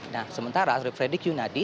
nah sementara fredy kyunyadi